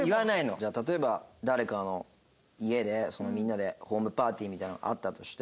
じゃあ例えば誰かの家でみんなでホームパーティーみたいなのがあったとして